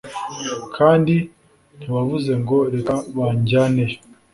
Kandi ntiwavuze ngo Reka banjyaneyo